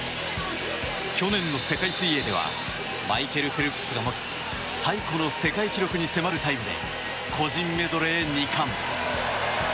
去年の世界水泳ではマイケル・フェルプスが持つ最古の世界記録に迫るタイムで個人メドレー２冠。